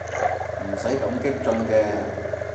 唔使咁激進嘅